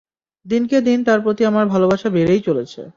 দিনকে দিন তার প্রতি আমার ভালোবাসা বেড়েই চলেছে!